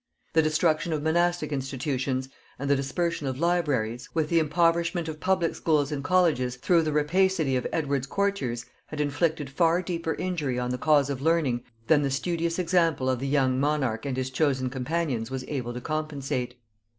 The destruction of monastic institutions, and the dispersion of libraries, with the impoverishment of public schools and colleges through the rapacity of Edward's courtiers, had inflicted far deeper injury on the cause of learning than the studious example of the young monarch and his chosen companions was able to compensate.